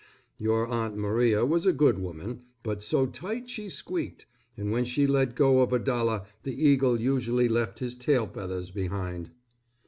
Your Aunt Maria was a good woman, but so tight she squeaked, and when she let go of a dollar the eagle usually left his tail feathers behind.